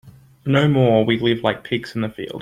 No more we live like pigs in the field.